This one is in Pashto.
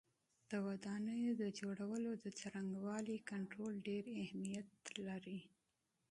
د ودانیو د جوړولو د څرنګوالي کنټرول ډېر اهمیت لري.